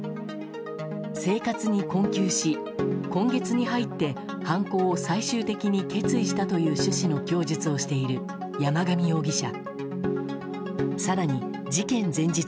生活に困窮し、今月に入って犯行を最終的に決意したという趣旨の供述をしている山上容疑者。